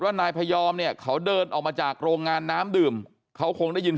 นายพยอมเนี่ยเขาเดินออกมาจากโรงงานน้ำดื่มเขาคงได้ยิน